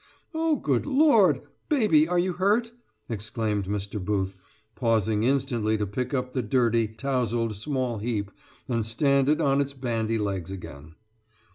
"Oh, good lord! Baby, are you hurt?" exclaimed Mr. Booth, pausing instantly to pick up the dirty, tousled small heap and stand it on its bandy legs again.